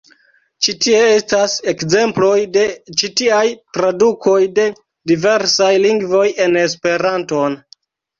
Ĉi tie estas ekzemploj de ĉi tiaj tradukoj de diversaj lingvoj en Esperanton.